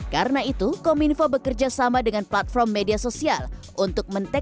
karena itu kominfo bekerja sama dengan gen z dan memperkenalkan informasi yang tidak terbatas